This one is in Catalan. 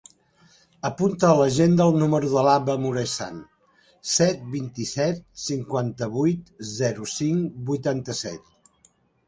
Apunta a l'agenda el número de l'Abba Muresan: set, vint-i-set, cinquanta-vuit, zero, cinc, vuitanta-set.